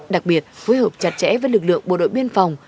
đặc biệt phối hợp chặt chẽ với lực lượng bộ đội biên phòng